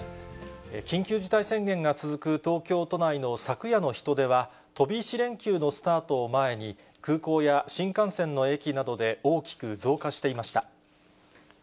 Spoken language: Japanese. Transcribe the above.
緊急事態宣言が続く東京都内の昨夜の人出は、飛び石連休のスタートを前に、空港や新幹線の駅などで大きく増加していました。